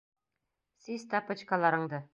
Сис тапочкаларыңды.